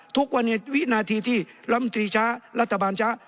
ทุกวันนี้วินาทีที่ลำตีช้ารัฐบาลช้า